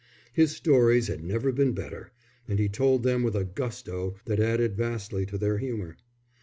His stories had never been better, and he told them with a gusto that added vastly to their humour.